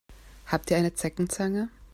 Habt ihr eine Zeckenzange?